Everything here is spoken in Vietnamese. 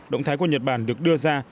động thái của nhật bản được đưa ra